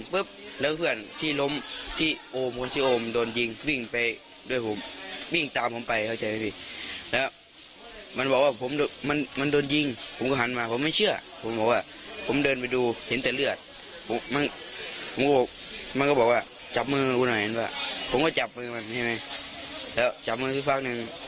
ผมก็จับมือมันใช่ไหมแล้วจับมือมันซึ่งฝากหนึ่ง